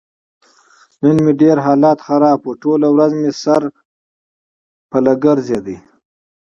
نن مې ډېر حالت خراب و. ټوله ورځ مې سره دوره خوړله.